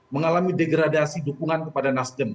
mengalami degradasi dukungan kepada nasdem